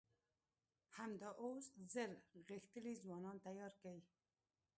همدا اوس زر غښتلي ځوانان تيار کئ!